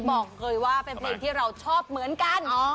บอกเลยว่าเป็นเพลงที่เราชอบเหมือนกัน